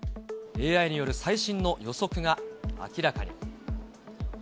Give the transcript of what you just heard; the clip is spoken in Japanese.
ＡＩによる最新の予測が明らかに。